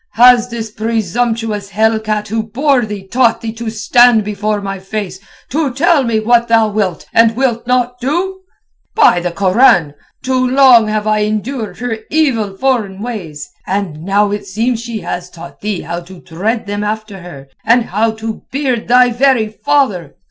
"Has this presumptuous hellcat who bore thee taught thee to stand before my face, to tell me what thou wilt and wilt not do? By the Koran! too long have I endured her evil foreign ways, and now it seems she has taught thee how to tread them after her and how to beard thy very father!